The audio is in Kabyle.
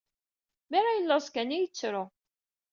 Mi ara yellaẓ kan ay yettru.